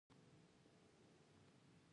ښکلي مخ ته په کتو کښې ګناه نشته.